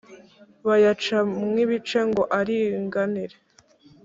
bayaca mw’ibice ngo aringanire